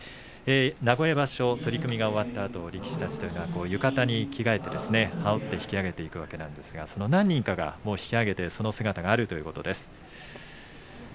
名古屋場所、取組が終わったあとの力士たちというのは浴衣に着替えて羽織って引き揚げていくわけですがその何人かが引き揚げていく姿があるということです。